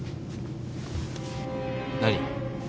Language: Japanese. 何？